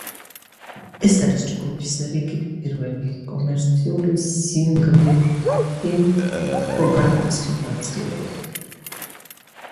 ეს არის ჯგუფის რიგით პირველი კომერციული სინგლი სტივ ჰოგართის მონაწილეობით.